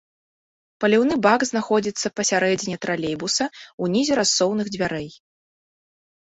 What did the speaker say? Паліўны бак знаходзіцца пасярэдзіне тралейбуса, унізе рассоўных дзвярэй.